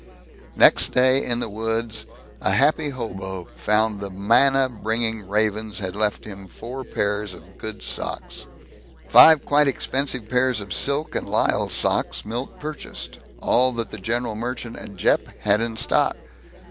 Next day, in the woods, a happy hobo found that the manna bringing ravens had left him four pairs of good socks. Five quite expensive pairs of silk and lisle socks Milt purchased all that the general merchant at Jeppe had in stock.